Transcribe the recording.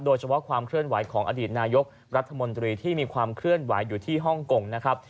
โดยเฉพาะความเคลื่อนไหวของอดีตนายกรัฐมนตรีที่มีความเคลื่อนไหวอยู่ที่ฮ่องกงนะครับ